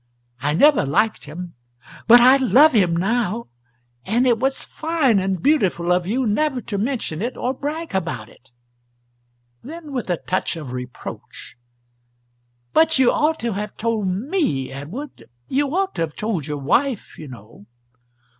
I never liked him, but I love him now. And it was fine and beautiful of you never to mention it or brag about it." Then, with a touch of reproach, "But you ought to have told me, Edward, you ought to have told your wife, you know."